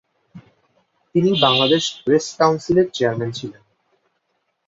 তিনি বাংলাদেশ প্রেস কাউন্সিলের চেয়ারম্যান ছিলেন।